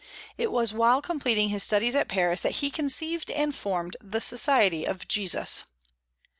It was while completing his studies at Paris that he conceived and formed the "Society of Jesus."